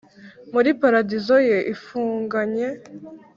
muri paradizo ye ifunganye.